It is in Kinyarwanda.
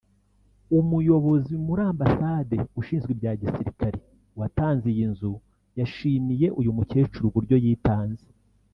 Umuyobozi muri Ambasade ushinzwe ibya gisirikari watanze iyi nzu yashimiye uyu mukecuru uburyo yitanze